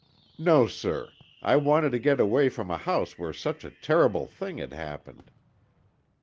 "No, sir. I wanted to get away from a house where such a terrible thing had happened."